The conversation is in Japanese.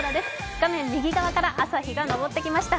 画面右から朝日が昇ってきました。